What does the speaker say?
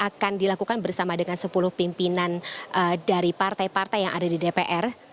akan dilakukan bersama dengan sepuluh pimpinan dari partai partai yang ada di dpr